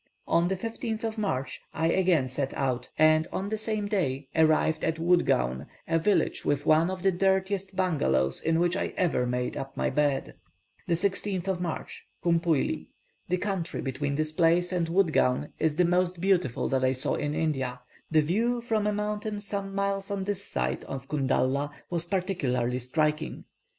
On the 15th of March I again set out, and on the same day arrived at Woodgown, a village with one of the dirtiest bungalows in which I ever made up my bed. 16th March. Cumpuily. The country between this place and Woodgown is the most beautiful that I saw in India; the view from a mountain some miles on this side of Kundalla, was particularly striking.